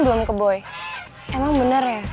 belum ke boy emang bener